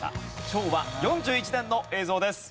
昭和４１年の映像です。